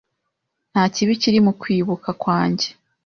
Nta kibi kiri mu kwibuka kwanjye.